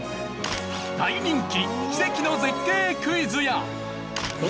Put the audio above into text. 大人気奇跡の絶景クイズや。